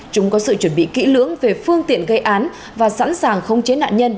chúng có sự chuẩn bị kỹ lưỡng về phương tiện gây án và sẵn sàng không chế nạn nhân